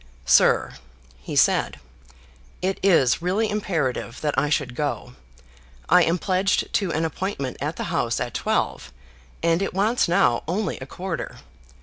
"Sir," he said, "it is really imperative that I should go. I am pledged to an appointment at the House at twelve, and it wants now only a quarter.